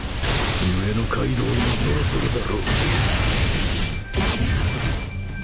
上のカイドウもそろそろだろう。